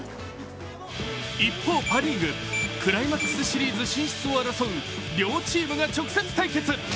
一方パ・リーグ、クライマックスシリーズ進出を争う両チームが直接対決。